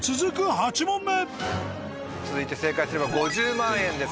８問目続いて正解すれば５０万円です